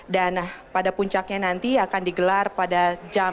dan pada puncaknya nanti akan digelar pada jam dua siang